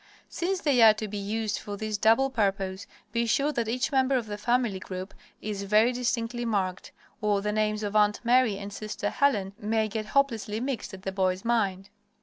Since they are to be used for this double purpose, be sure that each member of the family group is very distinctly marked, or the names of Aunt Mary and sister Helen may get hopelessly mixed in the boy's mind!